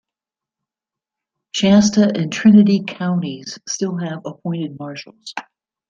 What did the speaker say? Shasta and Trinity Counties still have appointed Marshals.